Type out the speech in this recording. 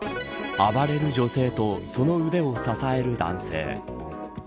暴れる女性とその腕を支える男性。